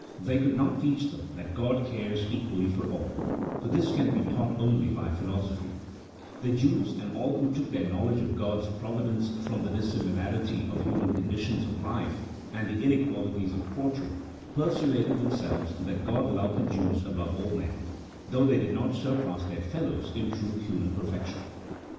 They could not teach them that God cares equally for all, for this can be taught only by philosophy: the Jews, and all who took their knowledge of God's providence from the dissimilarity of human conditions of life and the inequalities of fortune, persuaded themselves that God loved the Jews above all men, though they did not surpass their fellows in true human perfection.